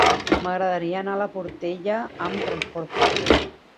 M'agradaria anar a la Portella amb trasport públic.